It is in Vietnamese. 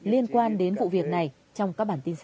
liên quan đến vụ việc này trong các bản tin sau